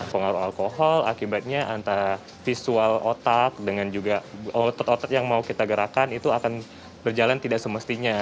pengaruh alkohol akibatnya antara visual otak dengan juga otot otot yang mau kita gerakan itu akan berjalan tidak semestinya